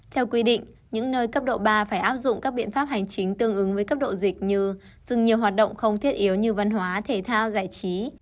theo quy định những nơi cấp độ ba phải áp dụng các biện pháp hành chính tương ứng với cấp độ dịch như dừng nhiều hoạt động không thiết yếu như văn hóa thể thao giải trí